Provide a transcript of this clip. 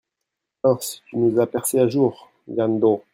Mince, tu nous as percé à jour Jañ-Do !